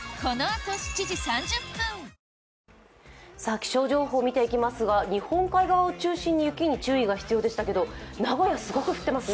気象情報見ていきますが日本海側を中心に雪が注意が必要でしたが名古屋すごく降ってますね。